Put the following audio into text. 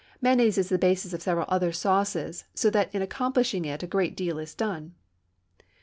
Mayonnaise is the basis of several other sauces, so that in accomplishing it a great deal is done.